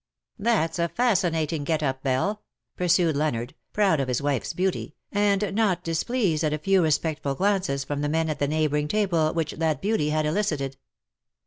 " That^s a fascinating get up, Belle/' pursued Leonard, proud of his wife^s beauty, and not dis pleased at a few respectful glances from the men at the neighbouring table which that beauty had elicited.